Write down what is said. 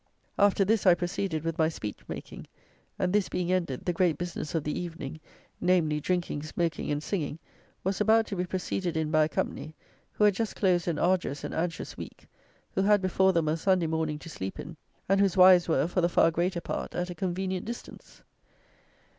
After this I proceeded with my speech making; and, this being ended, the great business of the evening, namely, drinking, smoking, and singing, was about to be proceeded in by a company, who had just closed an arduous and anxious week, who had before them a Sunday morning to sleep in, and whose wives were, for the far greater part, at a convenient distance.